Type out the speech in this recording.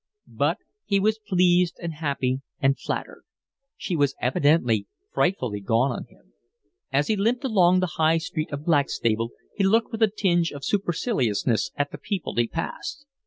But he was pleased and happy and flattered. She was evidently frightfully gone on him. As he limped along the high street of Blackstable he looked with a tinge of superciliousness at the people he passed.